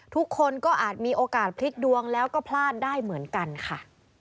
ทุกคนก็อาจมีโอกาสพลิกดวงแล้วก็พลาดได้เหมือนกันค่ะ